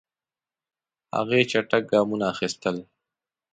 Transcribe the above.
هغې چټک ګامونه اخیستل.